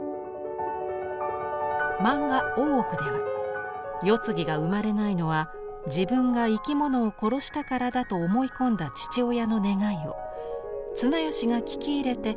漫画「大奥」では「世継ぎが生まれないのは自分が生き物を殺したからだ」と思い込んだ父親の願いを綱吉が聞き入れて発令します。